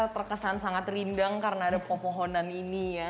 terkesan sangat rindang karena ada pepohonan ini ya